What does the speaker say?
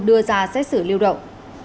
đưa ra xét xử lưu động